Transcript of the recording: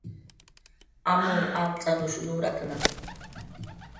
Amur art'anush nuratna